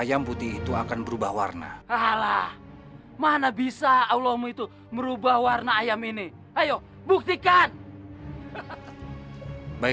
tapi saya belum kena